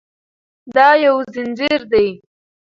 دا یو ځنځیر دی.